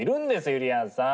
ゆりやんさん。